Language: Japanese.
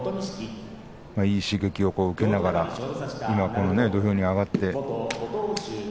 いい刺激を受けながら土俵に上がって。